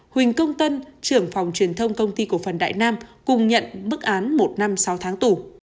huỳnh công tân trưởng phòng truyền thông công ty cổ phần đại nam cùng nhận bức án một năm sáu tháng tù